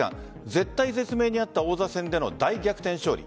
絶対絶命にあった王座戦での大逆転勝利。